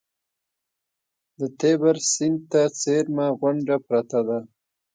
د تیبر سیند ته څېرمه غونډه پرته ده.